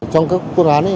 trong các phương án này